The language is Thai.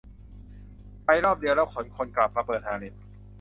ไปรอบเดียวแล้วขนคนกลับมาเปิดฮาเร็ม